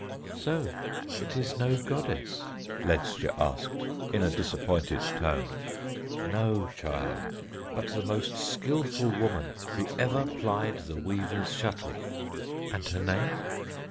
"So it is no goddess?" Ledscha asked in a disappointed tone. "No, child, but the most skilful woman who ever plied the weaver's shuttle." "And her name?"